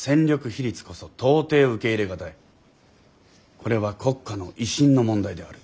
これは国家の威信の問題である。